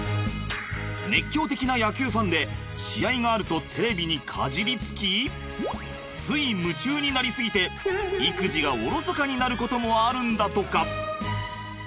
熱狂的な野球ファンで試合があるとテレビにかじりつきつい夢中になり過ぎて育児がおろそかになることもあるんだとか。